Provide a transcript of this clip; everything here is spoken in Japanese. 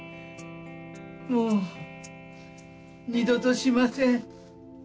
もう二度としません。